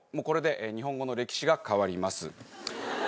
これで日本語の歴史が変わります。